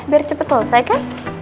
biar cepet selesai kan